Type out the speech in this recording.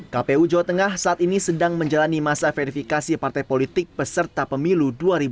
kpu jawa tengah saat ini sedang menjalani masa verifikasi partai politik peserta pemilu dua ribu dua puluh